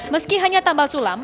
meski hanya tambal sulam